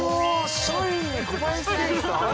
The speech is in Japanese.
社員に小林誠司さん。